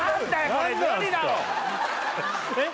これ無理だろえっ